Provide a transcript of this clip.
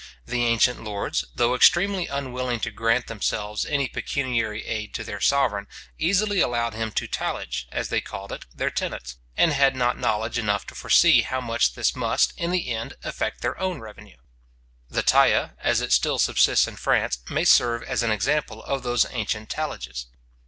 The ancient lords, though extremely unwilling to grant, themselves, any pecuniary aid to their sovereign, easily allowed him to tallage, as they called it, their tenants, and had not knowledge enough to foresee how much this must, in the end, affect their own revenue. The taille, as it still subsists in France may serve as an example of those ancient tallages.